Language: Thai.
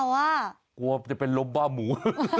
กลัวจะเป็นลมบ้าหมู